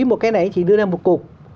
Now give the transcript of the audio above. một cái này chỉ đưa ra một cục